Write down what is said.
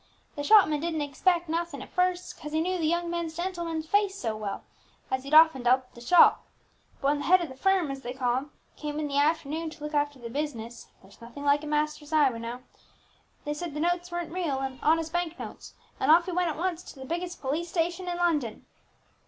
"The shopman didn't suspect nothing at first, 'cause he knew the young gentleman's face so well, as he'd often dealt at the shop. But when the head of the firm, as they call him, came in the afternoon to look after the business (there's nothing like a master's eye, we know), he said the notes weren't real and honest bank notes; and off he went at once to the biggest police station in London."